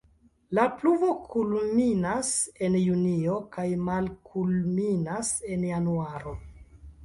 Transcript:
La pluvo kulminas en junio kaj malkulminas en januaro.